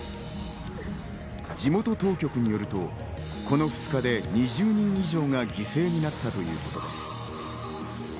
地元当局によると、この２日で２０人以上が犠牲になったということです。